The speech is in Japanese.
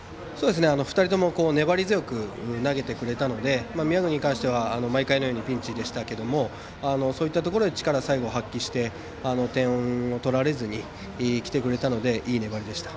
２人とも粘り強く投げてくれたので宮國に関しては毎回のようにピンチでしたがそういったところでも力を最後、発揮して点を取られずにきてくれたのでいい粘りでした。